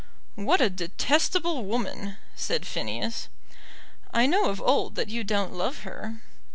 "What a detestable woman!" said Phineas. "I know of old that you don't love her."